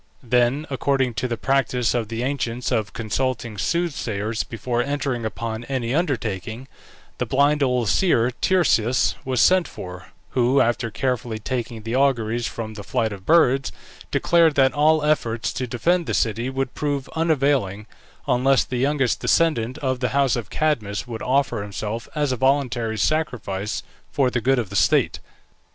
Then, according to the practice of the ancients of consulting soothsayers before entering upon any undertaking, the blind old seer Tiresias was sent for, who, after carefully taking the auguries from the flight of birds, declared that all efforts to defend the city would prove unavailing, unless the youngest descendant of the house of Cadmus would offer himself as a voluntary sacrifice for the good of the state.